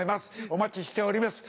お待ちしております